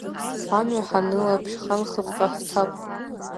Амҩа ҳанылап, шьханхыҵҟа ҳцап!